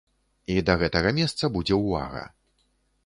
І да гэтага месца будзе ўвага.